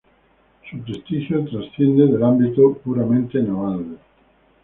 Su prestigio trasciende del ámbito puramente naval.